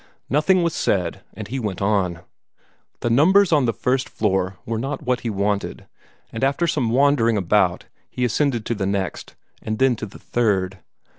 Nothing was said, and he went on. The numbers on the first floor were not what he wanted, and after some wandering about he ascended to the next, and then to the third.